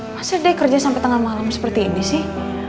masa deh kerja sampai tengah malam seperti ini sih